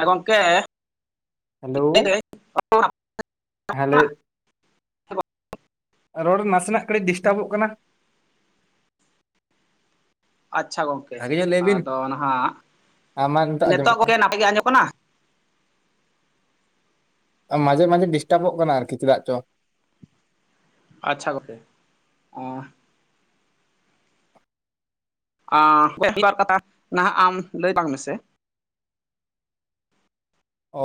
ᱮ ᱜᱚᱢᱠᱮ ᱦᱮᱞᱳ ᱦᱮᱸ ᱞᱟᱹᱭ ᱨᱚᱲ ᱱᱟᱥᱮᱱᱟᱜ ᱠᱟᱹᱴᱤᱡ ᱰᱤᱥᱴᱟᱵᱚᱜ ᱠᱟᱱᱟ᱾ ᱟᱪᱪᱷᱟ ᱜᱚᱝᱠᱮ ᱵᱷᱟᱜᱮ ᱧᱚᱜ ᱞᱟᱹᱭ ᱵᱤᱱ ᱟᱫᱚ ᱱᱟᱦᱟᱸᱜ ᱟᱢᱟᱜ ᱟᱸᱡᱚᱢᱚᱜ ᱱᱤᱛᱚᱜ ᱠᱟᱱᱟ [inaudible] ᱱᱟᱯᱟᱭ ᱜᱮ ᱟᱸᱡᱚᱢᱚᱜ ᱠᱟᱱᱟ? ᱢᱟᱡᱷᱮ ᱢᱟᱡᱷᱮ ᱰᱤᱥᱴᱟᱵᱚᱜ ᱠᱟᱱᱟ ᱟᱨᱠᱤ ᱪᱮᱫᱟᱜ ᱪᱚ᱾ ᱟᱪᱪᱷᱟ [inaudible] ᱚ [inaudible] ᱱᱟᱦᱟᱸᱜ ᱟᱢ ᱞᱟᱹᱭ ᱵᱟᱝ ᱢᱮᱥᱮ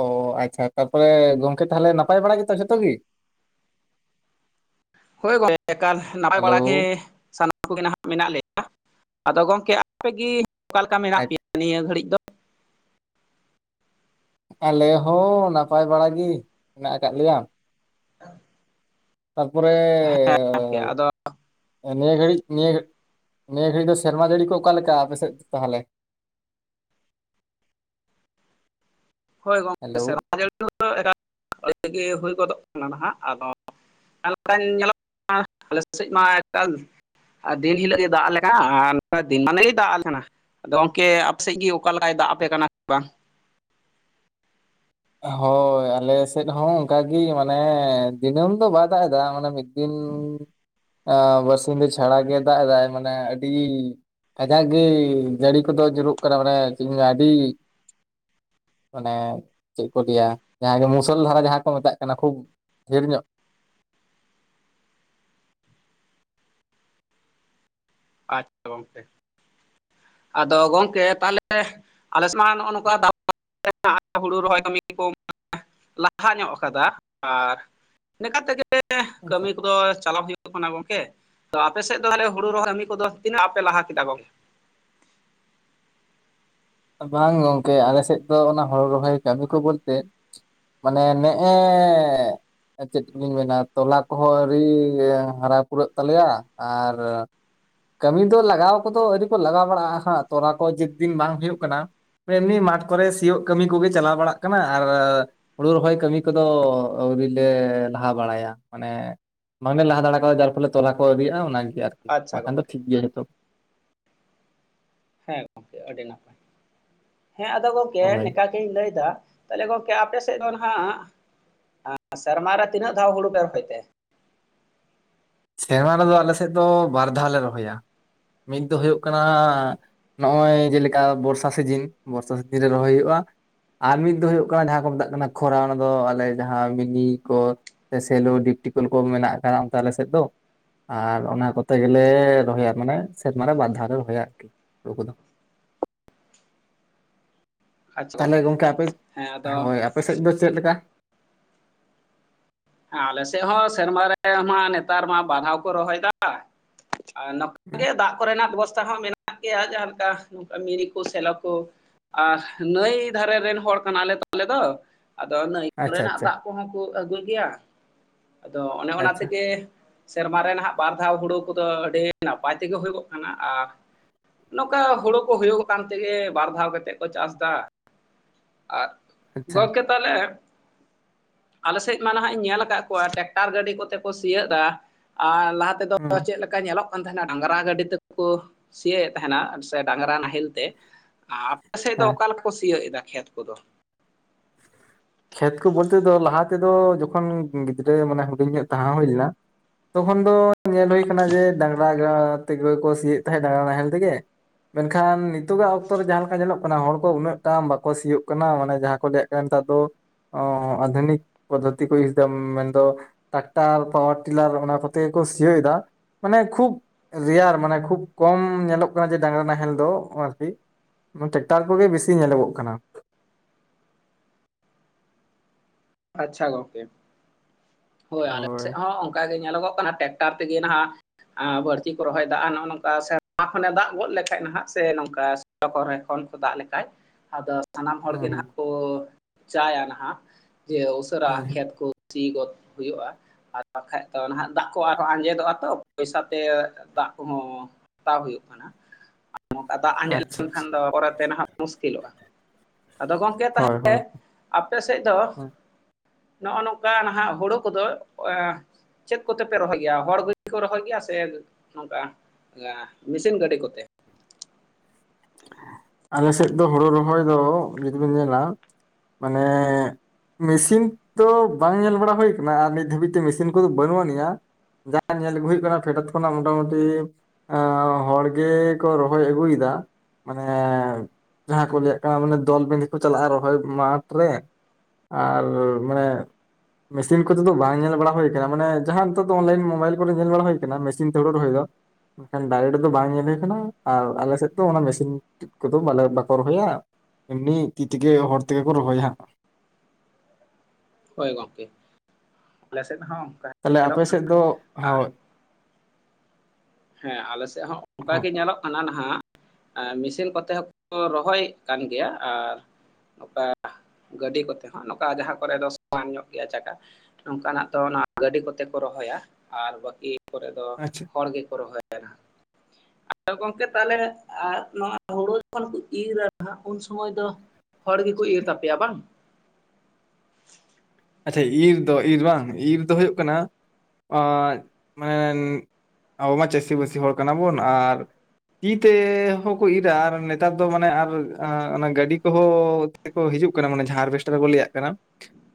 ᱚ ᱟᱪᱪᱷᱟ ᱛᱟᱯᱚᱨᱮ ᱜᱚᱝᱠᱮ ᱛᱟᱦᱚᱞᱮ ᱱᱟᱯᱟᱭ ᱵᱟᱲᱟ ᱜᱮᱛᱚ ᱡᱚᱛᱚ ᱜᱮ? ᱦᱳᱭ ᱜᱚᱝᱠᱮ ᱮᱠᱟᱞ ᱱᱟᱯᱟᱭ ᱦᱮᱞᱳ ᱵᱟᱲᱟ ᱜᱮ ᱥᱟᱱᱟᱢ ᱠᱚᱜᱮ ᱱᱟᱦᱟᱜ ᱢᱮᱱᱟᱜ ᱞᱮᱭᱟ ᱟᱫᱚ ᱜᱚᱢᱠᱮ ᱟᱯᱮᱜᱮ ᱚᱠᱟ ᱞᱮᱠᱟ ᱢᱮᱱᱟᱜ ᱟᱪ- ᱯᱮᱭᱟ ᱱᱤᱭᱟᱹ ᱜᱷᱟᱹᱲᱤᱡ? ᱫᱚ ᱟᱞᱮ ᱦᱚᱸ ᱱᱟᱯᱟᱭ ᱵᱟᱲᱟᱜ ᱜᱤ ᱢᱮᱱᱟᱜ ᱟᱠᱟᱫ ᱞᱮᱭᱟ᱾ [unintelligible] ᱛᱟᱨᱯᱚᱨᱮᱻ ᱦᱮᱸ ᱜᱚᱝᱠᱮ ᱟᱫᱚ ᱱᱤᱭᱟᱹ ᱜᱷᱟᱹᱲᱤᱡ, ᱱᱤᱭᱟᱹ, ᱱᱤᱭᱟᱹ ᱜᱷᱟᱹᱲᱤᱡ ᱫᱚ ᱥᱮᱨᱢᱟ ᱡᱟᱹᱲᱤ ᱠᱚ ᱚᱠᱟ ᱞᱮᱠᱟ ᱟᱯᱮ ᱥᱮᱫ ᱛᱟᱦᱚᱞᱮ? ᱦᱳᱭ ᱜᱚᱢᱠᱮ ᱦᱮᱞᱳ ᱥᱮᱨᱢᱟ [inaudible] ᱦᱩᱭ ᱜᱚᱫᱚᱜ ᱠᱟᱱᱟ ᱱᱟᱦᱟᱸᱜ ᱟᱫᱚ [inaudible] ᱟᱞᱮ ᱥᱮᱫ ᱢᱟ ᱮᱠᱟᱞ ᱫᱤᱱ ᱦᱤᱞᱳᱜ ᱜᱮ ᱫᱟᱜ ᱟᱞᱮ ᱠᱟᱱᱟ ᱟᱨ ᱫᱤᱱ ᱢᱟᱱᱮᱭ ᱫᱟᱜ ᱟᱞᱮ ᱠᱟᱱᱟ᱾ ᱟᱫᱚ ᱜᱚᱝᱠᱮ ᱟᱯᱮ ᱥᱮᱫ ᱜᱮ ᱚᱠᱟ ᱞᱮᱠᱟᱭ ᱫᱟᱜ ᱟᱯᱮ ᱠᱟᱱᱟ ᱥᱮ ᱵᱟᱝ? ᱦᱳᱭ ᱟᱞᱮ ᱥᱮᱫ ᱦᱚᱸ ᱚᱱᱠᱟᱜᱤ ᱢᱟᱱᱮ ᱫᱤᱱᱟᱹᱢ ᱫᱚ ᱵᱟᱭ ᱫᱟᱜ ᱫᱟ ᱢᱟᱱᱮ ᱢᱤᱫ ᱫᱤᱱ ᱵᱟᱨᱥᱤ ᱱᱤᱫᱟᱹ ᱪᱷᱟᱲᱟ ᱜᱮ ᱫᱟᱜ ᱮᱫᱟᱭ ᱢᱟᱱᱮ ᱟᱹᱰᱤ ᱠᱟᱡᱟᱠ ᱜᱮ ᱡᱟᱹᱲᱤ ᱠᱚᱫᱚ ᱡᱩᱨᱩᱜ ᱠᱟᱱᱟ ᱢᱟᱱᱮ ᱪᱤᱫ ᱤᱧ ᱞᱟᱹᱭᱟ ᱟᱹᱰᱤ ᱢᱟᱱᱮ ᱪᱮᱫ ᱠᱚ ᱞᱟᱹᱭᱟ ᱡᱟᱦᱟᱸ ᱫᱚ ᱢᱩᱥᱟᱹᱞ ᱫᱷᱟᱨᱟ ᱡᱟᱦᱟᱸ ᱠᱚ ᱢᱮᱛᱟᱜ ᱠᱟᱱᱟ ᱠᱷᱩᱵ ᱰᱷᱤᱨ ᱧᱚᱸᱜ᱾ ᱟᱪᱪᱷᱟ ᱜᱚᱝᱠᱮ᱾ ᱟᱫᱚ ᱜᱚᱝᱠᱮ ᱛᱟᱦᱚᱞᱮ ᱟᱞᱮ ᱥᱮᱫ ᱢᱟ ᱱᱚᱜᱼᱚ ᱱᱚᱝᱠᱟ [inaudible] [inaudible] ᱦᱩᱲᱩ ᱨᱚᱦᱚᱭ ᱠᱟᱹᱢᱤ ᱠᱚ ᱞᱟᱦᱟ ᱧᱚᱸᱜ ᱠᱟᱫᱟ ᱟᱨ ᱱᱤᱠᱟ ᱛᱮᱜᱮ ᱦᱮᱸᱥᱮ ᱠᱟᱹᱢᱤ ᱠᱚᱫᱚ ᱪᱟᱞᱟᱣ ᱦᱩᱭᱩᱜ ᱠᱟᱱᱟ ᱜᱚᱝᱠᱮ ᱛᱚ ᱟᱯᱮ ᱥᱮᱫ ᱫᱚ ᱢᱟᱱᱮ ᱦᱩᱲᱩ ᱨᱚᱦᱚᱭ ᱠᱟᱹᱢᱤ ᱠᱚᱫᱚ ᱛᱤᱱᱟᱹᱜ ᱟᱯᱮ ᱞᱟᱦᱟ ᱠᱮᱫᱟ ᱜᱚᱝ ᱵᱟᱝ ᱜᱚᱝᱠᱮ ᱟᱞᱮ ᱥᱮᱫ ᱫᱚ ᱚᱱᱟ ᱦᱳᱲᱳ ᱨᱚᱦᱚᱭ ᱠᱟᱹᱢᱤ ᱠᱚ ᱵᱳᱞᱛᱮ ᱢᱟᱱᱮ ᱱᱮᱜᱼᱮᱻ ᱪᱮᱫ ᱞᱤᱧ ᱢᱮᱱᱟ ᱛᱚᱞᱟ ᱠᱚᱦᱚᱸ ᱟᱹᱣᱨᱤ ᱦᱟᱨᱟ ᱯᱩᱨᱟᱹᱜ ᱛᱟᱞᱮᱭᱟ ᱟᱨ ᱠᱟᱹᱢᱤ ᱫᱚ ᱞᱟᱜᱟᱣ ᱠᱚᱫᱚ ᱟᱹᱣᱨᱤ ᱠᱚ ᱞᱟᱜᱟᱣ ᱵᱟᱲᱟᱜᱼᱟ ᱦᱟᱸᱜ ᱛᱚ ᱚᱱᱟᱠᱚ ᱡᱮᱫ ᱫᱤᱱ ᱵᱟᱝ ᱦᱩᱭᱩᱜ ᱠᱟᱱᱟ, ᱮᱢᱱᱤ ᱢᱟᱴᱷ ᱠᱚᱨᱮ ᱥᱤᱭᱳᱜ ᱠᱟᱹᱢᱤ ᱠᱚᱜᱮ ᱪᱟᱞᱟᱣ ᱵᱟᱲᱟᱜ ᱠᱟᱱᱟ ᱟᱨ ᱦᱩᱲᱩ ᱨᱚᱦᱚᱭ ᱠᱟᱹᱢᱤ ᱠᱚᱫᱚ ᱟᱹᱣᱨᱤ ᱞᱮ ᱞᱟᱦᱟ ᱵᱟᱲᱟᱭᱟ ᱢᱟᱱᱮ ᱵᱟᱝ ᱞᱮ ᱞᱟᱦᱟ ᱫᱟᱲᱮ ᱠᱟᱣᱫᱟ ᱟᱨ ᱯᱷᱚᱞᱮ ᱛᱚᱞᱟ ᱠᱚ ᱟᱹᱣᱮᱤᱭᱟᱜᱼᱟ ᱚᱱᱟᱜᱮ ᱟᱨᱠᱤ ᱟᱪᱪᱷᱟ ᱵᱟᱠᱷᱟᱱ ᱫᱚ ᱜᱚᱝᱠᱮ ᱴᱷᱤᱠ ᱜᱮᱭᱟ ᱡᱚᱛᱚ᱾ ᱦᱮᱸ ᱜᱚᱝᱠᱮ ᱟᱹᱰᱤ ᱱᱟᱯᱟᱭ, ᱦᱮᱸ ᱟᱫᱚ ᱜᱚᱝᱠᱮ ᱨᱚᱦᱚᱭ ᱱᱮᱠᱟ ᱤᱧ ᱞᱟᱹᱭᱫᱟ ᱛᱟᱦᱚᱞᱮ ᱜᱚᱝᱠᱮ ᱟᱯᱮ ᱥᱮᱫ ᱫᱚᱱ ᱦᱟᱸᱜ ᱟᱸ ᱥᱮᱨᱢᱟ ᱨᱮ ᱛᱤᱱᱟᱹᱜ ᱫᱷᱟᱣ ᱦᱩᱲᱩ ᱯᱮ ᱨᱦᱚᱭ ᱛᱮ? ᱥᱮᱨᱢᱟ ᱨᱮᱫᱚ ᱟᱞᱮ ᱥᱮᱫ ᱫᱚ ᱵᱟᱨ ᱫᱷᱟᱣ ᱞᱮ ᱨᱚᱦᱚᱭᱟ, ᱢᱤᱫ ᱫᱚ ᱦᱩᱭᱩᱜ ᱠᱟᱱᱟ ᱱᱚᱜᱼᱚᱭ ᱡᱮᱞᱮᱠᱟ ᱵᱚᱨᱥᱟ ᱥᱤᱡᱤᱱ ᱵᱚᱨᱥᱟ ᱥᱤᱡᱤᱱ ᱨᱮ ᱨᱚᱦᱚᱭ ᱦᱩᱭᱩᱜᱼᱟ᱾ ᱟᱨ ᱢᱤᱫ ᱫᱚ ᱦᱩᱭᱩᱜ ᱠᱟᱱᱟ ᱡᱟᱦᱟᱸ ᱠᱚ ᱢᱮᱛᱟᱜ ᱠᱟᱱᱟ ᱠᱷᱚᱨᱟ ᱚᱱᱟ ᱫᱚ ᱟᱞᱮ ᱡᱟᱦᱟᱸ ᱵᱤᱱᱤ ᱠᱚ ᱥᱮ ᱥᱮᱞᱳ ᱰᱤᱯᱴᱤᱠᱚᱞ ᱠᱚ ᱢᱮᱱᱟᱜ ᱟᱠᱟᱜᱼᱟ ᱛᱷᱟᱞᱮ ᱥᱮᱫ ᱫᱚ, ᱟᱨ ᱚᱱᱟ ᱠᱚᱛᱮ ᱜᱮᱞᱮ ᱨᱚᱦᱚᱭᱟ ᱢᱟᱱᱮ ᱥᱮᱨᱢᱟ ᱨᱮ ᱵᱟᱨ ᱫᱷᱟᱣ ᱞᱮ ᱨᱚᱦᱚᱭᱟ ᱟᱨᱠᱤ᱾ ᱦᱩᱨᱩ ᱠᱚᱫᱚ᱾ ᱛᱷᱟᱞᱮ ᱜᱚᱝᱠᱮ ᱟᱯᱮ, ᱦᱮᱸ ᱟᱫᱚ ᱦᱳᱭ ᱟᱯᱮ ᱥᱮᱫ ᱫᱚ ᱪᱮᱫ ᱞᱮᱠᱟ? ᱟᱞᱮ ᱥᱮᱫ ᱦᱚᱸ ᱥᱮᱨᱢᱟ ᱨᱮ ᱢᱟᱦᱟᱜ ᱱᱮᱛᱟᱨ ᱢᱟ ᱵᱟᱨ ᱫᱷᱟᱣ ᱠᱚ ᱨᱚᱦᱚᱭᱫᱟ᱾ ᱱᱚᱝᱠᱟ, ᱟᱨ ᱱᱚᱛᱮ ᱜᱮ ᱫᱟᱜ ᱠᱚᱨᱮᱱᱟᱜ ᱵᱮᱵᱚᱥᱛᱟ ᱦᱚᱸ ᱢᱮᱱᱟᱜ ᱜᱮᱭᱟ ᱡᱟᱦᱟᱸ ᱞᱮᱠᱟ ᱱᱚᱝᱠᱟ ᱢᱤᱱᱤ ᱠᱚ ᱥᱮᱞᱚ ᱠᱚ᱾ ᱟᱨ ᱱᱟᱹᱭ ᱫᱷᱟᱨᱮ ᱨᱮᱱ ᱦᱚᱲ ᱠᱟᱱᱟᱞᱮ ᱛᱚ ᱟᱞᱮ ᱫᱚ᱾ ᱟᱫᱚ ᱱᱟᱹᱭ ᱟᱪᱪᱷᱟ ᱠᱚᱨᱮᱱᱟᱜ ᱟᱪᱪᱷᱟ ᱫᱟᱜ ᱠᱚᱦᱚᱸ ᱠᱚ ᱟᱹᱜᱩᱭ ᱜᱮᱭᱟ ᱟᱫᱚ ᱚᱱᱮ ᱚᱱᱟ ᱟᱪᱪᱷᱟ ᱛᱮᱜᱮ ᱥᱮᱨᱢᱟ ᱨᱮ ᱱᱟᱦᱟᱜ ᱵᱟᱨ ᱫᱷᱟᱣ ᱦᱩᱲᱩ ᱠᱚᱫᱚ ᱟᱹᱰᱤ ᱱᱟᱯᱟᱭ ᱛᱮᱜᱮ ᱦᱩᱭᱩᱜᱚᱜ ᱠᱟᱱᱟ ᱟᱨ ᱱᱚᱠᱟ ᱦᱩᱲᱩ ᱠᱚ ᱦᱩᱭᱩᱜᱚᱜ ᱠᱟᱱ ᱛᱮᱜᱮ ᱵᱟᱨ ᱫᱷᱟᱣ ᱠᱟᱛᱮᱜ ᱠᱚ ᱪᱟᱥᱫᱟ᱾ ᱟᱨ, ᱟᱪᱪᱷᱟ ᱜᱚᱝᱠᱮ ᱛᱟᱦᱚᱞᱮ ᱟᱞᱮ ᱥᱮᱫ ᱢᱟ ᱱᱟᱦᱟᱜ ᱤᱧ ᱧᱮᱞ ᱟᱠᱟᱫ ᱠᱚᱣᱟ ᱴᱨᱟᱠᱴᱟᱨ ᱜᱟᱹᱰᱤ ᱠᱚᱛᱮ ᱠᱚ ᱥᱤᱭᱳᱜ ᱫᱟ ᱟᱨ ᱞᱟᱦᱟ ᱛᱮᱫᱚ ᱦᱩᱸ ᱪᱮᱫᱞᱮ ᱠᱟ ᱧᱮᱞᱚᱜ ᱠᱟᱱ ᱛᱟᱦᱮᱸᱱᱟ ᱰᱟᱝᱨᱟ ᱜᱟᱹᱰᱤ ᱛᱮᱠᱳ ᱥᱤᱭᱳ ᱮᱜ ᱛᱟᱦᱮᱸᱱᱟ ᱥᱮ ᱰᱟᱝᱨᱟ ᱱᱟᱦᱮᱞ ᱛᱮ ᱟᱨ ᱟᱯᱮ ᱥᱮᱫ ᱫᱚ ᱦᱮᱸ ᱚᱠᱟ ᱞᱮᱠᱟ ᱠᱚ ᱥᱤᱭᱳᱜ ᱮᱫᱟ ᱠᱷᱮᱛ ᱠᱚᱫᱚ? ᱠᱷᱮᱛ ᱠᱚ ᱵᱳᱞᱛᱮ ᱫᱚ ᱞᱟᱦᱟ ᱛᱮᱫᱚ ᱡᱚᱠᱷᱚᱱ ᱜᱤᱫᱽᱨᱟᱹ ᱢᱟᱱᱮ ᱦᱩᱰᱤᱧ ᱧᱚᱸᱜ ᱛᱟᱦᱮᱸ ᱦᱩᱭ ᱞᱮᱱᱟ᱾ ᱛᱚᱠᱷᱚᱱ ᱫᱚ ᱧᱮᱞ ᱦᱩᱭ ᱠᱟᱱᱟ ᱡᱮ ᱰᱟᱝᱨᱟ ᱜᱟ ᱛᱮᱜᱮ ᱠᱚ ᱥᱤᱭᱮᱫ ᱛᱟᱦᱮᱸᱫ ᱰᱟᱝᱨᱟ ᱱᱟᱦᱮᱞ ᱛᱮᱜᱮ᱾ ᱢᱮᱱᱠᱷᱟᱱ ᱱᱤᱛᱚᱜᱟᱜ ᱚᱠᱛᱚ ᱨᱮ ᱡᱟᱦᱟᱸ ᱞᱮᱠᱟ ᱧᱮᱞᱚᱜ ᱠᱟᱱᱟ ᱦᱚᱲ ᱠᱚ ᱩᱱᱟᱹᱜ ᱴᱟ ᱵᱟᱠᱚ ᱥᱤᱭᱳᱜ ᱠᱟᱱᱟ ᱢᱟᱱᱮ ᱡᱟᱦᱟᱸ ᱠᱚ ᱞᱮᱜ ᱱᱮᱛᱟᱨ ᱫᱚ ᱚᱸ ᱟᱫᱷᱩᱱᱤᱠ ᱯᱚᱫᱽᱫᱷᱚᱛᱤ ᱠᱚ ᱤᱭᱩᱥ ᱫᱟ ᱢᱮᱱᱫᱚ ᱴᱟᱠᱴᱟᱨ ᱯᱟᱣᱟᱨ ᱴᱤᱞᱟᱨ ᱚᱱᱟ ᱠᱚᱛᱮ ᱜᱮᱠᱚ ᱥᱤᱭᱳᱜ ᱫᱟ᱾ ᱢᱟᱱᱮ ᱠᱷᱩᱵ ᱨᱮᱭᱟᱨ ᱢᱟᱱᱮ ᱠᱷᱩᱵ ᱠᱚᱢ ᱧᱮᱞᱚᱜ ᱠᱟᱱᱟ ᱡᱮ ᱰᱟᱝᱨᱟ ᱱᱟᱦᱮᱞ ᱫᱚ ᱟᱨᱠᱤ᱾ ᱚᱱᱟ ᱴᱮᱠᱴᱟᱨ ᱠᱚᱜᱮ ᱵᱮᱥᱤ ᱧᱮᱞᱚᱜᱚᱜ ᱠᱟᱱᱟ᱾ ᱟᱪᱪᱷᱟ ᱜᱚᱝᱠᱮ, ᱦᱳᱭ ᱟᱞᱮ ᱥᱮᱫ ᱦᱚᱸ ᱚᱱᱠᱟ ᱜᱮ ᱧᱮᱞᱚᱜᱚᱜ ᱠᱟᱱᱟ ᱴᱮᱠ ᱴᱟᱨ ᱛᱮᱜᱮ ᱱᱟᱦᱟᱜ ᱟᱸ ᱵᱟᱹᱲᱛᱤ ᱠᱚ ᱨᱚᱦᱚᱭ ᱫᱟ ᱟ ᱱᱚᱜᱼᱚ ᱱᱚᱝᱠᱟ ᱥᱮ ᱚᱱᱟ ᱠᱷᱚᱱᱮ ᱫᱟᱜ ᱜᱚᱫ ᱞᱮᱠᱟᱡ ᱱᱟᱦᱟᱜ ᱥᱮ ᱱᱚᱝᱠᱟᱥ ᱠᱚᱨᱮ ᱠᱷᱚᱱ ᱠᱚ ᱫᱟᱜ ᱞᱮᱠᱷᱟᱡ ᱟᱫᱚ ᱥᱟᱱᱟᱢ ᱦᱚᱲ ᱜᱮ ᱦᱩᱸ ᱦᱩᱸ ᱱᱟᱦᱟᱜ ᱠᱚ ᱪᱟᱭᱟ ᱱᱟᱦᱟᱜ᱾ ᱡᱮ ᱩᱥᱟᱹᱨᱟ ᱦᱩᱸ ᱦᱩᱸ ᱠᱷᱮᱛ ᱠᱚ ᱥᱤ ᱜᱚᱫ ᱦᱩᱭᱩᱜᱼᱟ᱾ ᱟᱨ ᱵᱟᱠᱷᱟᱡ ᱫᱚ ᱱᱟᱦᱟᱜ ᱫᱟᱜ ᱠᱚ ᱟᱨᱦᱚᱸ ᱟᱸᱡᱮᱫᱚᱜᱼᱟ ᱛᱚ ᱯᱚᱭᱥᱟ ᱛᱮ ᱫᱟᱜ ᱠᱚᱦᱚᱸ ᱦᱟᱛᱟᱣ ᱦᱩᱭᱩᱜ ᱠᱟᱱᱟ᱾ [unintelligible] ᱫᱟᱜ ᱟᱸᱡᱮᱫ ᱟᱪᱪᱷᱟ ᱞᱮᱱᱠᱷᱟᱱ ᱫᱚ ᱟᱪᱪᱷᱟ ᱯᱚᱨᱮ ᱛᱮ ᱱᱟᱦᱟᱜ ᱢᱩᱥᱠᱤᱞᱚᱜᱼᱟ, ᱟᱫᱚ ᱜᱚᱝᱠᱮ ᱜᱮ ᱦᱳᱭ ᱛᱟᱦᱚᱞᱮ ᱦᱳᱭ ᱟᱯᱮ ᱥᱮᱫ ᱫᱚ ᱦᱮᱸ ᱱᱚᱜᱼᱚ ᱱᱚᱝᱠᱟ ᱱᱟᱦᱟᱜ ᱦᱩᱲᱩ ᱠᱚᱫᱚ ᱪᱮᱫ ᱠᱚᱛᱮ ᱯᱮ ᱨᱚᱦᱚᱭ ᱜᱮᱭᱟ ᱦᱚᱲ ᱜᱮᱠᱚ ᱨᱚᱦᱚᱭ ᱜᱮᱭᱟ ᱥᱮ ᱱᱚᱝᱠᱟ ᱟ ᱢᱤᱥᱤᱱ ᱜᱟᱸᱰᱤ ᱠᱚᱛᱮ? ᱟᱞᱮ ᱥᱮᱫ ᱫᱚ ᱦᱩᱲᱩ ᱨᱚᱦᱚᱭ ᱫᱚ ᱡᱩᱫᱤ ᱵᱮᱱ ᱧᱮᱞᱟ ᱢᱟᱱᱮ ᱢᱮᱥᱤᱱ ᱫᱚ ᱵᱟᱝ ᱧᱮᱞ ᱵᱟᱲᱟ ᱦᱩᱭ ᱠᱟᱱᱟ ᱟᱨ ᱱᱤᱛ ᱫᱷᱟᱹᱵᱤᱡ ᱛᱮ ᱢᱮᱥᱤᱱ ᱠᱚᱫᱚ ᱵᱟᱹᱱᱩᱜ ᱟᱹᱱᱤᱡᱼᱟ᱾ ᱡᱟᱦᱟᱸ ᱧᱮᱞ ᱟᱹᱜᱩ ᱦᱩᱭᱩᱜ ᱠᱟᱱᱟ ᱯᱷᱮᱰᱟᱛ ᱠᱷᱚᱱᱟᱜ ᱢᱚᱴᱟᱢᱩᱴᱤ ᱦᱚᱲ ᱜᱮ ᱠᱚ ᱨᱚᱦᱚᱭ ᱟᱹᱜᱩᱭᱮᱫᱟ᱾ ᱢᱟᱱᱮ ᱡᱟᱦᱟᱸ ᱠᱚ ᱞᱟᱹᱭᱟᱜ ᱠᱟᱱᱟ ᱢᱟᱱᱮ ᱫᱚᱞ ᱵᱮᱸᱫᱷᱮ ᱠᱚ ᱪᱟᱞᱟᱜᱼᱟ ᱨᱚᱦᱚᱭ ᱢᱟᱴᱷ ᱨᱮ ᱾ ᱟᱨ ᱢᱟᱱᱮ ᱢᱮᱥᱤᱱ ᱠᱚᱛᱮ ᱫᱚ ᱵᱟᱝ ᱧᱮᱞ ᱵᱟᱲᱟ ᱦᱩᱭ ᱠᱟᱱᱟ ᱢᱟᱱᱮ ᱡᱟᱦᱟᱸ ᱱᱤᱛᱚᱜ ᱫᱚ ᱚᱱᱞᱟᱭᱤᱱ ᱢᱳᱵᱟᱭᱤᱞ ᱠᱚᱨᱮ ᱧᱮᱞ ᱵᱟᱲᱟ ᱦᱩᱭ ᱠᱟᱱᱟ ᱢᱮᱥᱤᱱ ᱛᱮ ᱦᱩᱲᱩ ᱨᱚᱦᱚᱭ ᱫᱚ ᱾ ᱢᱮᱱᱠᱷᱟᱱ ᱰᱟᱭᱨᱮᱴ ᱫᱚ ᱵᱟᱝ ᱧᱮᱞ ᱦᱩᱭ ᱠᱟᱱᱟ ᱟᱨ ᱟᱞᱮ ᱥᱮᱫ ᱫᱚ ᱚᱱᱟ ᱢᱮᱥᱤ [unintelligible] ᱠᱚᱫᱚ ᱵᱟᱞᱮ ᱵᱟᱠᱚ ᱨᱚᱦᱚᱭᱟ ᱮᱢᱱᱤ ᱛᱤ ᱛᱮᱜᱮ ᱦᱚᱲ ᱛᱮᱜᱮ ᱠᱚ ᱨᱚᱦᱚᱭᱟ ᱦᱟᱜ᱾ ᱦᱳᱭ ᱜᱚᱢᱠᱮ ᱟᱞᱮᱥᱮᱫ ᱦᱚᱸ ᱚᱱᱠᱟ ᱾ ᱛᱟᱦᱞᱮ ᱟᱯᱮ ᱥᱮᱫ ᱫᱚ? ᱦᱳᱭ᱾ ᱦᱮᱸ ᱟᱞᱮᱥᱮᱫ ᱦᱚᱸ ᱚᱱᱠᱟ ᱦᱳᱭ ᱜᱮ ᱧᱮᱞᱚᱜ ᱠᱟᱱᱟ ᱱᱟᱦᱟᱜ ᱾ ᱮ ᱢᱮᱥᱤᱱ ᱠᱚᱛᱮ ᱦᱚᱸᱠᱚ ᱨᱚᱦᱚᱭᱮᱫ ᱠᱟᱱ ᱜᱮᱭᱟ ᱟᱨ ᱱᱚᱝᱠᱟ ᱜᱟᱹᱰᱤ ᱠᱚᱛᱮ ᱦᱚᱸ ᱱᱚᱝᱠᱟ ᱡᱟᱦᱟᱸ ᱠᱚᱨᱮ ᱫᱚ ᱥᱚᱢᱟᱱ ᱧᱚᱜ ᱜᱮᱭᱟ ᱪᱟᱠᱟ᱾ ᱱᱚᱝᱠᱟᱱᱟᱜ ᱫᱚ ᱚᱱᱟ ᱜᱟᱹᱰᱤ ᱠᱚᱛᱮ ᱠᱚ ᱨᱚᱦᱚᱭᱟ ᱟᱨ ᱵᱟᱹᱠᱤ ᱠᱚᱨᱮ ᱫᱚ ᱟᱪᱪᱷᱟ ᱦᱚᱲ ᱜᱮᱠᱚ ᱠᱚ ᱨᱚᱦᱚᱭᱟ᱾ ᱟᱫᱚ ᱜᱚᱢᱠᱮ ᱛᱟᱦᱚᱞᱮ ᱮᱫ ᱱᱚᱣᱟ ᱦᱩᱲᱩ ᱡᱚᱠᱷᱚᱱ ᱠᱚ ᱤᱨᱟ ᱱᱟᱦᱟᱜ ᱩᱱ ᱥᱚᱢᱚᱭ ᱫᱚ ᱦᱚᱲ ᱜᱮᱠᱚ ᱤᱨ ᱛᱟᱯᱮᱭᱟ ᱵᱟᱝ? ᱟᱪᱪᱷᱟ ᱤᱨ ᱫᱚ ᱤᱨ ᱵᱟᱝ ᱤᱨ ᱫᱚ ᱦᱩᱭᱩᱜ ᱠᱟᱱᱟ ᱚᱜ ᱢᱟᱱᱮ ᱟᱵᱚ ᱢᱟ ᱪᱟᱹᱥᱤ-ᱵᱟᱹᱥᱤ ᱦᱚᱲ ᱠᱟᱱᱟ ᱵᱚᱱ ᱟᱨ ᱛᱤ ᱛᱮᱻ ᱦᱚᱸᱠᱚ ᱤᱨᱟ ᱟᱨ ᱱᱮᱛᱟᱨ ᱫᱚ ᱢᱟᱱᱮ ᱟᱨ ᱚᱱᱟ ᱜᱟᱹᱰᱤ ᱠᱚᱦᱚᱸ ᱠᱚ ᱦᱤᱡᱩᱜ ᱠᱟᱱᱟ ᱢᱟᱱᱮ ᱡᱟᱦᱟᱸ ᱦᱟᱨᱵᱷᱮᱥᱴᱟᱨ ᱠᱚ ᱞᱟᱹᱭᱟᱜ ᱠᱟᱱᱟ᱾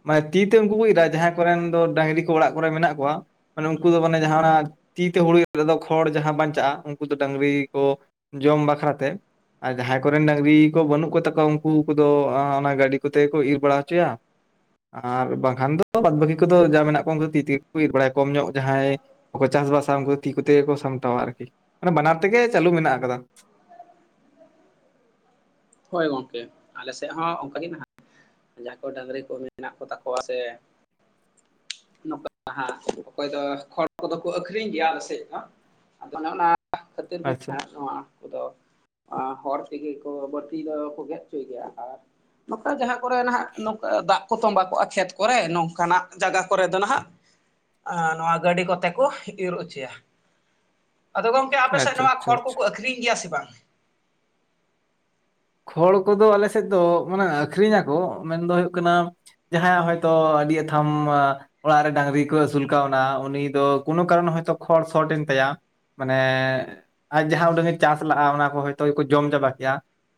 ᱢᱟᱱᱮ ᱛᱤ ᱛᱮ ᱩᱱᱠᱩ ᱠᱚ ᱤᱨᱟ ᱡᱟᱦᱟᱸᱭ ᱠᱚᱨᱮᱱ ᱫᱚ ᱰᱟᱝᱨᱤ ᱠᱚ ᱚᱲᱟᱜ ᱠᱚᱨᱮ ᱢᱮᱱᱟᱜ ᱠᱚᱣᱟ᱾ ᱢᱟᱱᱮ ᱩᱱᱠᱩ ᱫᱚ ᱢᱟᱱᱮ ᱡᱟᱦᱟᱸ ᱚᱱᱟ ᱛᱤ ᱛᱮ ᱦᱩᱲᱩ ᱤᱨ ᱨᱮᱫᱚ ᱠᱷᱚᱲ ᱡᱟᱦᱟᱸ ᱵᱟᱧᱪᱟᱜᱼᱟ ᱩᱱᱠᱩ ᱫᱚ ᱰᱟᱝᱨᱤ ᱠᱚ ᱡᱚᱢ ᱵᱟᱠᱷᱨᱟ ᱛᱮᱼᱼ ᱟᱨ ᱡᱟᱦᱟᱸᱭ ᱠᱚᱨᱮᱱ ᱰᱟᱹᱝᱨᱤ ᱠᱚ ᱵᱟᱹᱱᱩᱜ ᱠᱚᱛᱟ ᱠᱚᱣᱟ ᱩᱱᱠᱩ ᱠᱚᱫᱚ ᱚᱱᱟ ᱜᱟᱹᱰᱤ ᱠᱚᱛᱮ ᱜᱮᱠᱚ ᱤᱨ ᱵᱟᱲᱟ ᱦᱚᱪᱚᱭᱟ᱾ ᱟᱨ ᱵᱟᱝᱠᱷᱟᱱ ᱫᱚ ᱵᱟᱫᱽ ᱵᱟᱹᱠᱤ ᱠᱚᱫᱚ ᱡᱟ ᱢᱮᱱᱟᱜ ᱠᱚᱣᱟ ᱩᱱᱠᱩ ᱫᱚ ᱛᱤ ᱛᱮᱜᱮ ᱠᱚ ᱤᱨ ᱵᱟᱲᱟᱭᱟ ᱠᱚᱢ ᱧᱚᱜ ᱡᱟᱦᱟᱸᱭ ᱠᱚ ᱪᱟᱥᱵᱟᱥᱟ ᱩᱱᱠᱩ ᱫᱚ ᱛᱤ ᱠᱚᱛᱮ ᱜᱮ ᱠᱚ ᱥᱟᱢᱴᱟᱣᱟ ᱟᱨᱠᱤ, ᱢᱟᱱᱮ ᱵᱟᱱᱟᱨ ᱛᱮᱜᱮ ᱪᱟᱹᱞᱩ ᱢᱮᱱᱟᱜ ᱠᱟᱫᱟ᱾ ᱦᱳᱭ ᱜᱚᱝᱠᱮ ᱟᱞᱮ ᱥᱮᱫ ᱦᱚᱸ ᱚᱱᱠᱟ ᱜᱮ ᱱᱟᱦᱟᱜ᱾ ᱡᱟᱦᱟᱸᱭ ᱠᱚ ᱰᱟᱹᱝᱨᱤ ᱠᱚ ᱢᱮᱱᱟᱜ ᱠᱚᱛᱟ ᱠᱚᱣᱟ ᱥᱮ ᱱᱚᱝᱠᱟ ᱜᱮ ᱦᱟᱸᱜ, ᱚᱠᱚᱭ ᱫᱚ ᱠᱷᱚᱲ ᱠᱚᱫᱚ ᱠᱚ ᱟᱹᱠᱷᱨᱤᱧ ᱜᱮᱭᱟ ᱟᱞᱮ ᱥᱮᱫ ᱫᱚ ᱦᱟᱸᱜ᱾ ᱟᱫᱚ ᱚᱱᱮ ᱚᱱᱟ ᱠᱷᱟᱹᱛᱤᱨ ᱜᱮ ᱟᱪᱪᱷᱟ ᱱᱟᱦᱟᱜ ᱱᱚᱣᱟ ᱠᱩ ᱫᱚ ᱟ ᱦᱚᱲ ᱛᱮᱜᱮ ᱠᱚ ᱵᱟᱹᱲᱛᱤ ᱫᱚ ᱠᱚ ᱜᱮᱫ ᱦᱚᱪᱚᱭ ᱜᱮᱭᱟ ᱟᱨ ᱱᱚᱝᱠᱟ ᱡᱟᱦᱟᱸ ᱠᱚᱨᱮ ᱱᱟᱦᱟᱜ ᱱᱚᱝᱠᱟ ᱫᱟᱜ ᱠᱚ ᱛᱚᱸᱵᱟ ᱠᱚᱜᱼᱟ ᱠᱷᱮᱛ ᱠᱚᱨᱮ ᱱᱚᱝᱠᱟᱱᱟᱜ ᱡᱟᱭᱜᱟ ᱠᱚᱨᱮ ᱫᱚ ᱱᱟᱦᱟᱜ ᱟ ᱱᱚᱣᱟ ᱜᱟᱹᱰᱤ ᱠᱚᱛᱮ ᱠᱚ ᱤᱨ ᱚᱪᱚᱭᱟ, ᱟᱫᱚ ᱜᱚᱝ ᱠᱮ ᱟᱯᱮ ᱥᱮᱫ ᱟᱪᱪᱷᱟ ᱟᱪᱪᱷᱟ ᱱᱚᱣᱟ ᱠᱷᱚᱲ ᱟᱪᱪᱷᱟ ᱠᱚᱠᱚ ᱟᱹᱠᱷᱨᱤᱧ ᱜᱮᱭᱟ ᱥᱮ ᱵᱟᱝ? ᱠᱷᱚᱲ ᱠᱚᱫᱚ ᱟᱞᱮ ᱥᱮᱫ ᱫᱚ ᱢᱟᱱᱮ ᱟᱠᱷᱨᱤᱧᱟᱠᱚ ᱢᱮᱱ ᱫᱚ ᱦᱩᱭᱩᱜ ᱠᱟᱱᱟ ᱡᱟᱦᱟᱸᱭᱟᱜ ᱦᱚᱭᱛᱚ ᱟᱹᱰᱤ ᱟᱛᱷᱟᱢ ᱚᱲᱟᱜ ᱨᱮ ᱰᱟᱝᱨᱤ ᱠᱚ ᱟᱹᱥᱩᱞ ᱠᱟᱣᱱᱟ ᱩᱱᱤ ᱫᱚ ᱠᱳᱱᱳ ᱠᱟᱨᱚᱱ ᱦᱚᱭᱛᱚ ᱠᱷᱚᱲ ᱥᱚᱴ ᱮᱱ ᱛᱟᱭᱟᱼᱼ ᱢᱟᱱᱮ ᱟᱡ ᱡᱟᱦᱟᱸ ᱩᱰᱟᱹᱝ ᱮ ᱪᱟᱥ ᱞᱟᱜᱼᱟ ᱚᱱᱟ ᱠᱚ ᱦᱚᱭᱛᱳ ᱠᱚ ᱡᱚᱢ ᱪᱟᱵᱟ ᱠᱮᱜ-ᱟᱼᱼ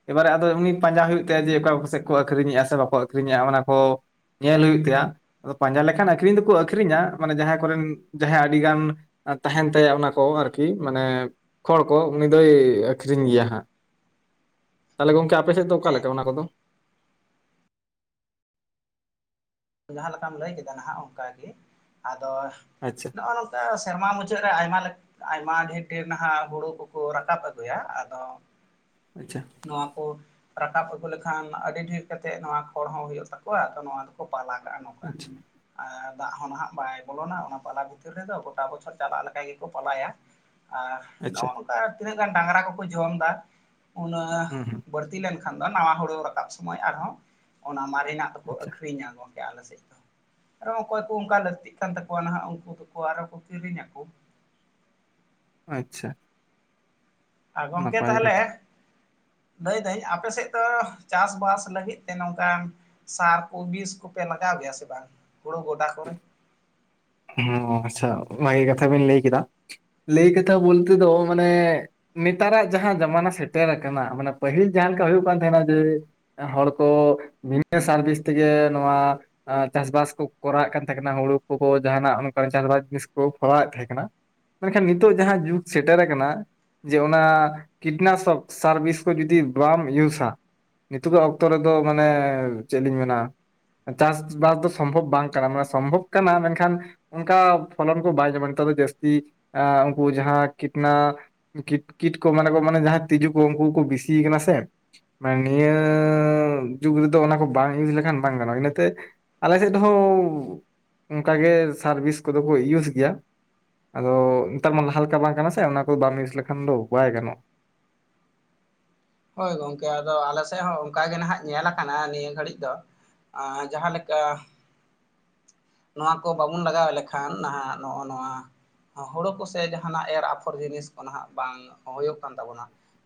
ᱮᱵᱟᱨᱮ ᱟᱫᱚ ᱩᱱᱤ ᱯᱟᱸᱡᱟ ᱦᱩᱭᱩᱜ ᱛᱟᱭᱟ ᱡᱮ ᱚᱠᱟ ᱠᱚᱥᱮᱫ ᱠᱚ ᱟᱹᱠᱷᱨᱤᱧᱮᱜᱼᱟ ᱥᱮ ᱵᱟᱠᱚ ᱟᱹᱠᱷᱨᱤᱧᱮᱜᱼᱟ ᱚᱱᱟ ᱠᱚᱼᱼ ᱧᱮᱞ ᱦᱩᱭᱩᱜ ᱛᱟᱭᱟ ᱯᱟᱸᱡᱟ ᱞᱮᱠᱟᱱ ᱟᱠᱷᱨᱤᱧ ᱫᱚᱠᱚ ᱟᱠᱷᱨᱤᱧᱟ ᱢᱟᱱᱮ ᱡᱟᱸᱦᱟᱸᱭ ᱠᱚᱨᱮᱱ ᱡᱟᱸᱦᱟᱸᱭ ᱟᱹᱰᱤᱜᱟᱱᱼᱼ ᱟᱸ ᱛᱟᱦᱮᱱ ᱛᱟᱭᱟ ᱚᱱᱟ ᱠᱚ ᱟᱨᱠᱤ ᱢᱟᱱᱮ ᱠᱷᱚᱲ ᱠᱚ ᱩᱱᱤ ᱫᱚᱭ ᱟᱹᱠᱷᱨᱤᱧ ᱜᱮᱭᱟ ᱦᱟᱸᱜ᱾ ᱛᱟᱦᱞᱮ ᱜᱚᱝᱠᱮ ᱟᱯᱮ ᱥᱮᱫ ᱫᱚ ᱚᱠᱟ ᱦᱮᱸ ᱞᱮᱠᱟ ᱚᱱᱟ ᱜᱚᱝᱠᱮ ᱠᱚᱫᱚ? ᱡᱟᱦᱟᱸ ᱞᱮᱠᱟᱢ ᱞᱟᱹᱭ ᱠᱮᱫᱟ ᱱᱟᱦᱟᱜ ᱚᱱᱠᱟ ᱜᱮ, ᱟᱫᱚᱼᱼ ᱟᱪᱪᱷᱟ᱾ ᱱᱚᱜᱼᱚ ᱱᱚᱝᱠᱟ ᱥᱮᱨᱢᱟ ᱢᱩᱪᱟᱹᱫ ᱨᱮ ᱟᱭᱢᱟ ᱞᱮᱠᱟᱼᱼ ᱟᱭᱢᱟ ᱰᱷᱮᱨ ᱰᱷᱮᱨ ᱱᱟᱦᱟᱜ ᱦᱩᱲᱩ ᱠᱚᱠᱚ ᱨᱟᱠᱟᱵ ᱟᱹᱜᱩᱭᱟ ᱟᱫᱚᱼᱼ ᱟᱪᱪᱷᱟ᱾ ᱱᱚᱣᱟ ᱠᱚ ᱨᱟᱠᱟᱵ ᱟᱹᱜᱩ ᱞᱮᱠᱷᱟᱱ ᱟᱹᱰᱤ ᱰᱷᱮᱨ ᱠᱟᱛᱮᱫ ᱱᱚᱣᱟ ᱠᱷᱚᱲ ᱦᱚᱸ ᱦᱩᱭᱩᱜ ᱛᱟᱠᱚᱣᱟ ᱟᱫᱚ ᱱᱚᱣᱟᱼᱼ ᱠᱚ ᱯᱟᱞᱟ ᱠᱟᱜᱼᱟ ᱱᱚᱝᱠᱟᱼᱼ ᱟᱪᱪᱷᱟ ᱟᱸ ᱫᱟᱜ ᱦᱚᱸ ᱱᱟᱦᱟᱜ ᱵᱟᱭ ᱵᱚᱞᱚᱱᱟ ᱚᱱᱟ ᱯᱟᱞᱟ ᱵᱷᱤᱛᱤᱨ ᱨᱮᱫᱚ ᱜᱚᱴᱟ ᱵᱚᱪᱷᱚᱨ ᱪᱟᱞᱟᱜ ᱞᱮᱠᱟ ᱜᱮᱠᱚ ᱯᱟᱞᱟᱭᱟ᱾ ᱟᱨ ᱟᱪᱪᱷᱟ ᱱᱚᱜᱼᱚ ᱱᱚᱝᱠᱟ ᱛᱤᱱᱟᱹᱜ ᱜᱟᱱ ᱰᱟᱝᱨᱟ ᱠᱚᱠᱚ ᱡᱚᱢ ᱫᱟᱼᱼ ᱩᱱᱟᱹ ᱦᱩᱸ ᱦᱩᱸ ᱵᱟᱹᱲᱛᱤ ᱞᱮᱱᱠᱷᱟᱱ ᱫᱚ ᱱᱟᱣᱟ ᱦᱳᱲᱳ ᱨᱟᱠᱟᱵ ᱥᱳᱢᱳᱭ ᱟᱨᱦᱚᱸ ᱚᱱᱟ ᱢᱟᱨᱮᱱᱟᱜᱼᱼ ᱠᱚ ᱟᱪᱪᱷᱟ ᱟᱠᱷᱨᱤᱧᱟᱠᱚ᱾ ᱟᱞᱮ ᱥᱮᱫ ᱫᱚ ᱟᱨᱚ ᱚᱠᱚᱭ ᱠᱚ ᱚᱱᱠᱟ ᱞᱟᱹᱠᱛᱤᱜ ᱠᱟᱱ ᱛᱟᱠᱚᱣᱟ ᱱᱟᱦᱟᱜ ᱩᱱᱠᱩ ᱫᱚᱠᱚ ᱟᱨᱚ ᱠᱚ ᱠᱤᱨᱤᱧᱟᱠᱚ᱾ ᱟᱪᱪᱷᱟ᱾ ᱟᱸ ᱜᱚᱢᱠᱮ ᱱᱟᱯᱟᱭ ᱛᱟᱦᱞᱮ ᱠᱟᱛᱷᱟ ᱞᱟᱹᱭ ᱫᱟᱹᱧ ᱟᱯᱮ ᱥᱮᱫ ᱫᱚ, ᱪᱟᱥᱼᱵᱟᱥ ᱞᱟᱹᱜᱤᱫ ᱛᱮ ᱱᱚᱝᱠᱟᱱ ᱥᱟᱨ ᱠᱚ ᱵᱤᱥ ᱠᱚᱯᱮ ᱞᱟᱜᱟᱣ ᱜᱮᱭᱟ ᱥᱮ ᱵᱟᱝ? ᱦᱳᱲᱳ ᱜᱚᱫᱟ ᱠᱚᱨᱮ᱾ ᱦᱮᱸ ᱦᱮᱸ ᱟᱪᱪᱷᱟ ᱵᱷᱟᱜᱮ ᱠᱟᱛᱷᱟ ᱵᱮᱱ ᱞᱟᱹᱭ ᱠᱮᱫᱟ, ᱞᱟᱹᱭ ᱠᱟᱛᱷᱟ ᱵᱚᱞᱛᱮ ᱫᱚ ᱢᱟᱱᱮ ᱱᱮᱛᱟᱨᱟᱜ ᱡᱟᱦᱟᱸ ᱡᱟᱢᱟᱱᱟ ᱥᱮᱴᱮᱨ ᱟᱠᱟᱱᱟ, ᱢᱟᱱᱮ ᱯᱟᱹᱦᱤᱞ ᱡᱟᱦᱟᱸ ᱞᱮᱠᱟ ᱦᱩᱭᱩᱜ ᱠᱟᱱ ᱛᱟᱦᱮᱸᱱᱟ ᱡᱮ ᱦᱚᱲ ᱠᱚ ᱵᱷᱤᱱᱟᱹ ᱥᱟᱨ ᱵᱤᱥ ᱛᱮᱜᱮ ᱱᱚᱣᱟ ᱟᱨ ᱪᱟᱥ ᱵᱟᱥ ᱠᱚ ᱠᱚᱨᱟᱣᱮᱜ ᱠᱟᱱ ᱛᱟᱦᱮᱸ ᱠᱟᱱᱟ ᱦᱩᱲᱩ ᱠᱚᱠᱚ ᱡᱟᱦᱟᱸᱱᱟᱜ ᱚᱱᱠᱟᱱ ᱪᱟᱥ ᱵᱟᱥ ᱡᱤᱱᱤᱥ ᱠᱚ ᱠᱚᱨᱟᱣᱮᱫ ᱛᱟᱦᱮᱸ ᱠᱟᱱᱟ᱾ ᱢᱮᱱᱠᱷᱟᱱ ᱱᱤᱛᱚᱜ ᱡᱟᱦᱟᱸ ᱡᱩᱜᱽ ᱥᱮᱴᱮᱨ ᱟᱠᱟᱱᱟ, ᱡᱮ ᱚᱱᱟ ᱠᱤᱴᱱᱟᱥᱚᱠ ᱥᱟᱨᱵᱤᱥ ᱠᱚ ᱡᱩᱫᱤ ᱵᱟᱢ ᱤᱭᱩᱥᱟ ᱱᱤᱛᱚᱜᱟᱜ ᱚᱠᱛᱚ ᱨᱮᱫᱚ ᱢᱟᱱᱮ ᱪᱮᱫ ᱞᱤᱧ ᱢᱮᱱᱟ? ᱪᱟᱥ ᱵᱟᱥ ᱫᱚ ᱥᱚᱢᱵᱷᱚᱵᱽ ᱵᱟᱝ ᱠᱟᱱᱟ, ᱢᱟᱱᱮ ᱥᱚᱢᱵᱷᱚᱵᱽ ᱠᱟᱱᱟ ᱢᱮᱱᱠᱷᱟᱱ, ᱚᱱᱠᱟ ᱯᱷᱚᱞᱚᱱ ᱠᱚ ᱵᱟᱭ ᱧᱟᱢᱟ ᱱᱮᱛᱟᱨ ᱫᱚ ᱡᱟᱹᱥᱛᱤ, ᱮᱸ ᱩᱱᱠᱩ ᱡᱟᱦᱟᱸ ᱠᱤᱴᱱᱟ ᱠᱤᱴ ᱠᱤᱴ ᱠᱚ ᱢᱟᱱᱮ ᱠᱚ ᱢᱟᱱᱮ ᱡᱟᱦᱟᱸ ᱛᱤᱡᱩ ᱠᱚ ᱩᱱᱠᱩ ᱠᱚ ᱵᱤᱥᱤ ᱟᱠᱟᱱᱟ ᱥᱮ᱾ ᱢᱟᱱᱮ ᱱᱤᱭᱟᱹᱻ ᱡᱩᱜᱽ ᱨᱮᱫᱚ ᱚᱱᱟ ᱠᱚ ᱵᱟᱝ ᱤᱭᱩᱡᱽ ᱞᱮᱠᱷᱟᱱ ᱵᱟᱝ ᱜᱟᱱᱚᱜᱼᱟ ᱤᱱᱟᱹ ᱛᱮ ᱟᱞᱮ ᱥᱮᱫ ᱫᱚᱦᱚᱸ ᱚᱱᱠᱟᱜᱮ ᱥᱟᱨᱵᱤᱥ ᱠᱚᱫᱚ ᱠᱚ ᱤᱭᱩᱡᱽ ᱜᱮᱭᱟ᱾ ᱟᱫᱚ ᱱᱮᱛᱟᱨ ᱢᱟ ᱞᱟᱦᱟ ᱞᱮᱠᱟ ᱵᱟᱝ ᱠᱟᱱᱟ ᱥᱮ, ᱚᱱᱟ ᱠᱚ ᱵᱟᱢ ᱤᱭᱩᱥ ᱞᱮᱠᱷᱟᱱ ᱫᱚ ᱵᱟᱭ ᱜᱟᱱᱚᱜ᱾ ᱦᱳᱭ ᱜᱚᱝᱠᱮ ᱟᱫᱚ ᱟᱞᱮ ᱥᱮᱫ ᱦᱚᱸ ᱚᱱᱠᱟ ᱜᱮ ᱱᱟᱦᱟᱜ ᱧᱮᱞ ᱟᱠᱟᱱᱟ ᱱᱤᱭᱟᱹ ᱜᱷᱟᱹᱲᱤᱡᱽ ᱫᱚ᱾ ᱟᱸ ᱡᱟᱦᱟᱸ ᱞᱮᱠᱟ ᱱᱚᱣᱟ ᱠᱚ ᱵᱟᱵᱚᱱ ᱞᱟᱜᱟᱣ ᱞᱮᱠᱷᱟᱱ ᱱᱟᱦᱟᱜ ᱱᱚᱸᱜᱼᱚ ᱱᱚᱣᱟ᱾ ᱦᱳᱲᱳ ᱠᱚᱥᱮ ᱡᱟᱦᱟᱱᱟᱜ ᱮᱨ ᱟᱯᱷᱚᱨ ᱡᱤᱱᱤᱥ ᱠᱚ ᱱᱟᱦᱟᱜ ᱵᱟᱝ ᱦᱳᱭᱳᱜ ᱠᱟᱱ ᱛᱟᱵᱚᱱᱟ,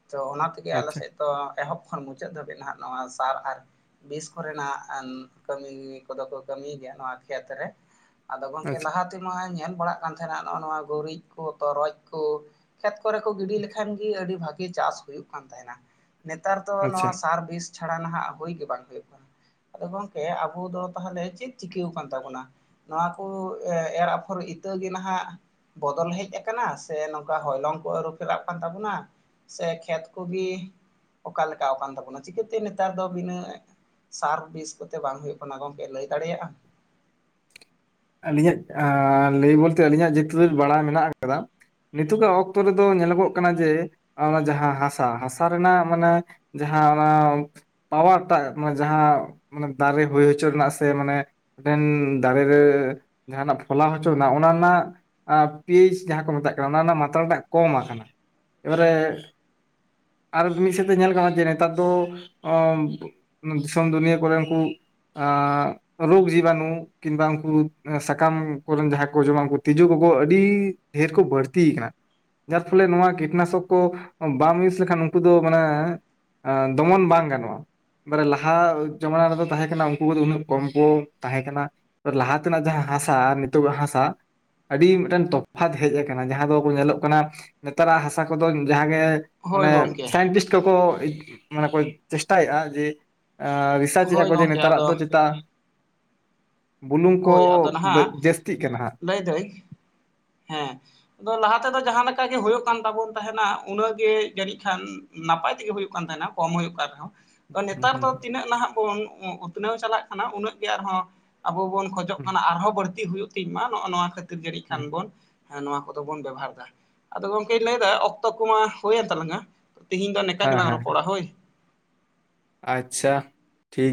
ᱛᱚ ᱚᱱᱟ ᱟᱞᱮ ᱟᱪᱪᱷᱟ ᱥᱮᱫ ᱫᱚ ᱮᱦᱚᱵᱽ ᱠᱷᱚᱱ ᱢᱩᱪᱟᱹᱫ ᱫᱷᱟᱵᱤᱡᱽ ᱱᱟᱦᱟᱜ ᱱᱚᱣᱟ ᱥᱟᱨ ᱟᱨ, ᱵᱤᱥ ᱠᱚᱨᱮᱱᱟᱜ ᱮᱢ ᱠᱟᱹᱢᱤ ᱠᱚᱫᱚ ᱠᱚ ᱠᱟᱹᱢᱤᱭ ᱜᱮᱭᱟ ᱱᱚᱣᱟ ᱠᱷᱮᱛ ᱨᱮ᱾ ᱟᱫᱚ ᱜᱚᱝᱠᱮ ᱟᱪᱪᱷᱟ ᱞᱟᱦᱟ ᱛᱮᱢᱟᱧ ᱧᱮᱞ ᱵᱟᱲᱟᱜ ᱠᱟᱱ ᱛᱟᱦᱮᱱᱟ ᱱᱚᱜᱼᱚ ᱱᱚᱣᱟ ᱜᱳᱨᱤᱡᱽ ᱠᱚ, ᱛᱚᱨᱚᱡ ᱠᱳ᱾ ᱠᱷᱮᱛ ᱠᱚᱨᱮ ᱠᱚ ᱜᱤᱰᱤ ᱞᱮᱠᱷᱟᱱ ᱜᱮ ᱟᱹᱰᱤ ᱵᱷᱟᱜᱮ ᱪᱟᱥ ᱦᱩᱭᱩᱜ ᱠᱟᱱ ᱛᱟᱦᱮᱸᱱᱟ᱾ ᱱᱮᱛᱟᱨ ᱫᱚ ᱟᱪᱪᱷᱟ ᱱᱚᱣᱟ ᱥᱟᱨ ᱵᱤᱥ ᱪᱷᱟᱲᱟ ᱱᱟᱦᱟᱜ ᱦᱩᱭ ᱜᱮ ᱵᱟᱝ ᱦᱩᱭᱩᱜ ᱠᱟᱱᱟ᱾ ᱟᱫᱚ ᱜᱚᱝᱠᱮ ᱟᱵᱚ ᱫᱚ ᱛᱟᱦᱞᱮ ᱪᱮᱫ ᱪᱤᱠᱟᱹᱣ ᱟᱠᱟᱱ ᱛᱟᱵᱚᱱᱟ? ᱱᱚᱣᱟ ᱠᱚ ᱮᱨ ᱮᱨ ᱟᱯᱷᱚᱨ ᱤᱛᱟᱹ ᱜᱮ ᱱᱟᱦᱟᱜ ᱵᱚᱫᱚᱞ ᱦᱮᱡᱽ ᱟᱠᱟᱱᱟ ᱥᱮ ᱱᱚᱝᱠᱟ ᱦᱚᱭᱞᱚᱝ ᱠᱚ ᱟᱹᱨᱩᱯᱷᱮᱨᱟᱜ ᱠᱟᱱ ᱛᱟᱵᱚᱱᱟ? ᱥᱮ ᱠᱷᱮᱛ ᱠᱚᱜᱮ, ᱚᱠᱟᱞᱮᱠᱟᱣ ᱟᱠᱟᱱ ᱛᱟᱵᱳᱱᱟ ᱪᱤᱠᱟᱹᱛᱮ ᱱᱮᱛᱟᱨ ᱫᱚ ᱵᱷᱤᱱᱟᱹ ᱥᱟᱨ ᱵᱤᱥ ᱠᱚᱛᱮ ᱵᱟᱝ ᱦᱩᱭᱩᱜ ᱠᱟᱱᱟ ᱜᱚᱢᱠᱮ ᱞᱟᱹᱭ ᱫᱟᱲᱮᱭᱟᱜᱼᱟᱢ? ᱟᱹᱞᱤᱧᱟᱜ ᱟᱻ ᱞᱟᱹᱭ ᱵᱚᱞᱛᱮ ᱟᱹᱞᱤᱧᱟᱜ ᱡᱮᱴᱨᱩᱛ ᱵᱟᱲᱟᱭ ᱢᱮᱱᱟᱜ ᱟᱠᱟᱫᱟ᱾ ᱱᱤᱛᱚᱜᱟᱜ ᱚᱠᱛᱚ ᱨᱮᱫᱚ ᱧᱮᱞᱚᱜᱚᱜ ᱠᱟᱱᱟ ᱡᱮ, ᱚᱱᱟ ᱡᱟᱦᱟᱸ ᱦᱟᱸᱥᱟ ᱦᱟᱸᱥᱟ ᱨᱮᱱᱟᱜ ᱢᱟᱱᱮ ᱡᱟᱦᱟᱸ ᱚᱱᱟ ᱯᱟᱣᱟᱨ ᱴᱟᱜ ᱢᱟᱱᱮ ᱡᱟᱦᱟᱸ ᱢᱟᱱᱮ ᱫᱟᱨᱮ ᱦᱳᱭ ᱦᱚᱪᱚ ᱨᱮᱱᱟᱜ ᱥᱮ ᱢᱟᱱᱮ ᱢᱤᱫᱴᱮᱱ ᱫᱟᱨᱮ ᱨᱮ, ᱡᱟᱦᱟᱸᱱᱟᱜ ᱯᱷᱚᱞᱟᱣ ᱦᱚᱪᱚ ᱨᱮᱱᱟ ᱚᱱᱟ ᱨᱮᱱᱟᱜ ᱟ ᱯᱤᱭᱤᱪ ᱡᱟᱦᱟᱸ ᱠᱚ ᱢᱮᱛᱟᱜ ᱠᱟᱱᱟ ᱚᱱᱟ ᱨᱮᱱᱟᱜ ᱢᱟᱛᱨᱟᱴᱟᱜ ᱠᱚᱢ ᱟᱠᱟᱱᱟ᱾ ᱮᱵᱟᱨᱮ ᱟᱨ ᱢᱤᱫ ᱥᱮᱫ ᱛᱮ ᱧᱮᱞ ᱜᱟᱱᱚᱜ-ᱟ ᱡᱮ ᱱᱮᱛᱟᱨ ᱫᱚ, ᱚᱻ ᱫᱤᱥᱚᱢ ᱫᱩᱱᱤᱭᱟᱹ ᱠᱚᱨᱮ ᱩᱱᱠᱩ ᱟᱻ ᱨᱳᱜᱽ ᱡᱤᱵᱟᱱᱩ ᱠᱤᱱᱵᱟ ᱩᱱᱠᱩ᱾ ᱥᱟᱠᱟᱢ ᱠᱚᱨᱮᱱ ᱡᱟᱦᱟᱸᱭ ᱠᱚ ᱡᱚᱢᱟ ᱩᱱᱠᱩ ᱛᱤᱡᱩ ᱠᱚᱠᱚ ᱟᱹᱰᱤ ᱰᱷᱮᱨ ᱠᱚ ᱵᱟᱹᱲᱛᱤᱭ ᱟᱠᱟᱱᱟ᱾ ᱡᱟᱨ ᱯᱷᱚᱞᱮ ᱱᱚᱣᱟ ᱠᱤᱴᱱᱟᱥᱚᱠ ᱠᱚ, ᱵᱟᱢ ᱤᱭᱩᱡᱽ ᱞᱮᱠᱷᱟᱱ ᱩᱱᱠᱩ ᱫᱚ ᱢᱟᱱᱮ ᱮ ᱫᱚᱢᱚᱱ ᱵᱟᱝ ᱜᱟᱱᱚᱜᱼᱟ, ᱢᱟᱱᱮ ᱞᱟᱦᱟ ᱡᱚᱢᱟᱱᱟ ᱨᱮᱫᱚ ᱛᱟᱦᱮᱸ ᱠᱟᱱᱟ ᱩᱱᱠᱩ ᱠᱚᱫᱚ ᱩᱱᱟᱹᱜ ᱠᱚᱢ ᱠᱚ, ᱛᱟᱦᱮᱸ ᱠᱟᱱᱟ ᱞᱟᱦᱟ ᱛᱮᱱᱟᱜ ᱡᱟᱦᱟᱸ ᱦᱟᱸᱥᱟ ᱱᱤᱛᱩᱜᱟ ᱦᱟᱸᱥᱟ, ᱟᱹᱰᱤ ᱢᱤᱫᱴᱮᱱ ᱛᱚᱯᱷᱟᱛ ᱦᱮᱡᱽ ᱟᱠᱟᱱᱟ ᱡᱟᱦᱟᱸ ᱫᱚ ᱧᱮᱞᱚᱜ ᱠᱟᱱᱟ, ᱱᱮᱛᱟᱨᱟᱜ ᱦᱟᱸᱥᱟ ᱠᱚᱫᱚ ᱡᱟᱦᱟᱸᱜᱮ ᱦᱳᱭ ᱢᱟᱱᱮ ᱜᱚᱢᱠᱮ ᱥᱟᱭᱮᱱᱴᱤᱥᱴ ᱠᱚᱠᱚ ᱢᱟᱱᱮ ᱠᱚ ᱪᱮᱥᱴᱟᱭᱮᱟ ᱡᱮ ᱦᱳᱭ ᱮᱻ [unintelligible] ᱜᱚᱢᱠᱮ ᱱᱮᱛᱟᱨᱟᱜ ᱟᱫᱚ ᱫᱚ ᱪᱮᱛᱟ, ᱵᱩᱞᱩᱝ ᱠᱚ ᱵᱟᱹ ᱡᱟᱹᱥᱛᱤᱜ ᱠᱟᱱᱟ ᱦᱟᱸᱜ ᱞᱟᱹᱭ ᱫᱟᱹᱭ ᱦᱮᱸ ᱟᱫᱚ ᱞᱟᱦᱟ ᱛᱮᱫᱚ ᱡᱟᱦᱟᱸ ᱞᱮᱠᱟ ᱜᱮ ᱦᱩᱭᱩᱜ ᱠᱟᱱ ᱛᱟᱵᱚᱱ ᱛᱟᱦᱮᱱᱟ ᱩᱱᱟᱹᱜ ᱜᱮ ᱡᱟᱹᱱᱤᱡ ᱠᱷᱟᱱ ᱱᱟᱯᱟᱭ ᱛᱮᱜᱮ ᱦᱩᱭᱩᱜ ᱠᱟᱱ ᱛᱟᱦᱮᱱᱟ ᱠᱚᱢ ᱦᱩᱭᱩᱜ ᱠᱟᱱ ᱨᱮᱦᱚᱸ ᱱᱮᱛᱟᱨ ᱦᱮᱸ ᱫᱚ ᱛᱤᱱᱟᱹᱜ ᱱᱟᱦᱟᱜ ᱵᱚᱱ ᱩᱸ ᱩᱛᱱᱟᱹᱣ ᱪᱟᱞᱟᱜ ᱠᱟᱱᱟ ᱩᱱᱟᱹᱜ ᱜᱮ ᱟᱨᱦᱚᱸ ᱟᱵᱚ ᱵᱚᱱ ᱠᱷᱚᱡᱚᱜ ᱠᱟᱱᱟ ᱟᱨᱦᱚᱸ ᱵᱟᱹᱲᱛᱤ ᱦᱩᱭᱩᱜ ᱛᱤᱧ ᱢᱟ ᱱᱚᱜᱼ ᱱᱚᱣᱟ ᱠᱷᱟᱹᱛᱤᱨ ᱡᱟᱹᱱᱤᱡ ᱠᱷᱟᱱ ᱵᱚᱱ ᱦᱮᱸ ᱱᱚᱣᱟ ᱠᱚᱫᱚ ᱵᱚᱱ ᱵᱮᱵᱚᱦᱟᱨ ᱫᱟ ᱟᱫᱚ ᱜᱚᱝᱠᱮᱧ ᱞᱟᱹᱭᱫᱟ ᱚᱠᱛᱚ ᱠᱚᱢᱟ ᱦᱩᱭᱮᱱ ᱛᱟᱞᱟᱝᱟ᱾ ᱛᱮᱦᱤᱧ ᱫᱚ ᱱᱮᱠᱟ ᱦᱮᱸ ᱜᱮᱞᱟᱝ ᱦᱮᱸ ᱨᱚᱯᱚᱲᱟ ᱦᱳᱭ᱾ ᱟᱪᱪᱷᱟ᱾ ᱴᱷᱤᱠ